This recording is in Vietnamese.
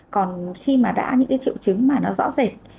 còn khi mà đã những cái triệu chứng mà nó rõ rệt